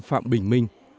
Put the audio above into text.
phạm bình minh